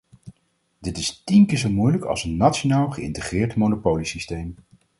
Dit is tien keer zo moeilijk als een nationaal, geïntegreerd monopoliesysteem.